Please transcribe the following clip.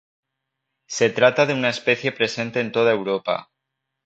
Se trata de una especie presente en toda Europa.